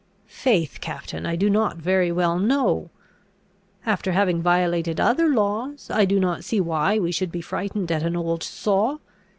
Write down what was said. "Faith, captain, I do not very well know. After having violated other laws, I do not see why we should be frightened at an old saw.